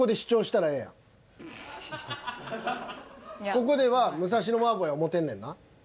ここでは武蔵野麻婆や思てんねんな？